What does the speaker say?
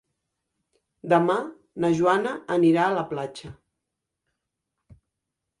Demà na Joana anirà a la platja.